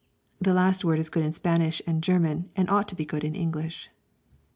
_ (The last word is good Spanish and German and ought to be good English.)